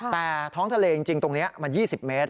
แต่ท้องทะเลจริงตรงนี้มัน๒๐เมตร